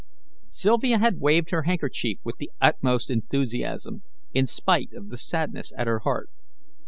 Sylvia had waved her handkerchief with the utmost enthusiasm, in spite of the sadness at her heart.